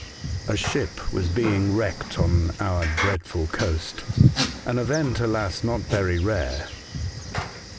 *' A ship was being wrecked on our dreadful coast — an event, alas, not very rare.